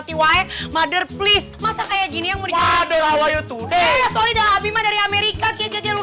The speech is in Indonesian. sampai jumpa di video selanjutnya